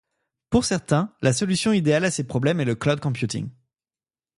Pour certains, la solution idéale à ces problèmes est le cloud computing.